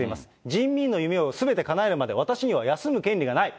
人民の夢をすべてかなえるまで私には休む権利がない。